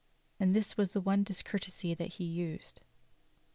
And this was the one discourtesy that he used.